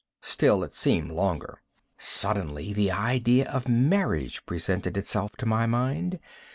Still it seemed longer. Suddenly the idea of marriage presented itself to my mind.